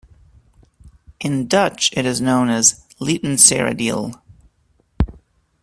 In Dutch it is known as Littenseradeel.